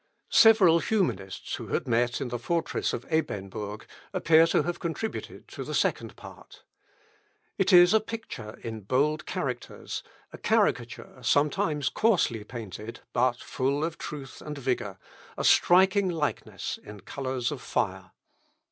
Several Humanists, who had met in the fortress of Ebernbourg, appear to have contributed to the second part. It is a picture in bold characters, a caricature sometimes coarsely painted, but full of truth and vigour, a striking likeness in colours of fire.